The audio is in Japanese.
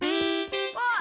あっ！